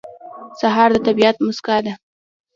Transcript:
سهار د طبیعت موسکا ده.